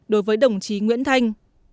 đối với đồng chí nguyễn thanh